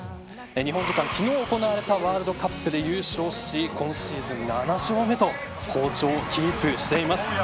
日本時間昨日行われたワールドカップで優勝し今シーズン７勝目と好調をキープしています。